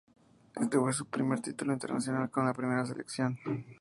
Este fue su primer título internacional con la primera selección.